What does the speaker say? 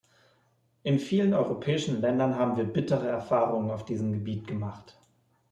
In vielen europäischen Ländern haben wir bittere Erfahrungen auf diesem Gebiet gemacht.